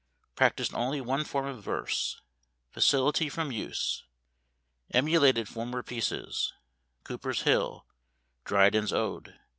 Practised only one form of verse. Facility from use. Emulated former pieces. Cooper's hill. Dryden's ode.